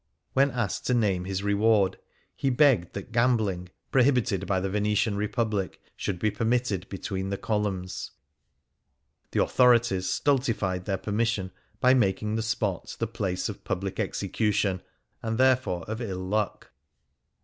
When asked to name his reward, he begged that gambling, prohibited by the Venetian Republic, should be permitted between the columns. The authori ties stultified their permission by making the spot the place of public execution, and therefore of ill luck.